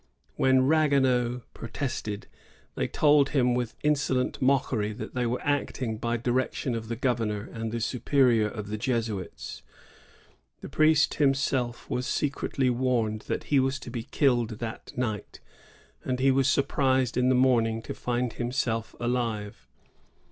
When Ragueneau pro tested, they told him with insolent mockery that they were acting by direction of the governor and the superior of the Jesuits. The priest himself was secretly warned that he was to be killed during the night; and he was surprised in the morning to find himself alive.